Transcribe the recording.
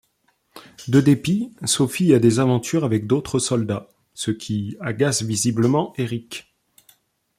De dépit, Sophie a des aventures avec d'autres soldats, ce qui agace visiblement Erich.